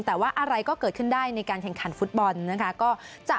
แต่ว่าอะไรก็เกิดขึ้นได้ในการแข่งขันฟุตบอลนะคะ